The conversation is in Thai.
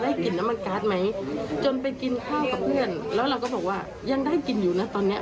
จนไปกินข้าวกับเพื่อนแล้วเราก็บอกว่ายังได้กลิ่นอยู่นะตอนนี้